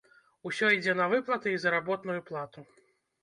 Усё ідзе на выплаты і заработную плату.